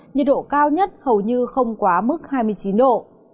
nhiệt độ cao nhất hầu như không quá mức hai mươi chín độ